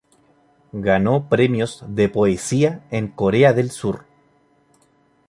Ganó premios de poesía en Corea del Sur.